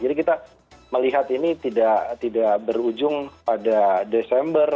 jadi kita melihat ini tidak berujung pada desember